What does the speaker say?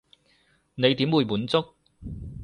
你點會滿足？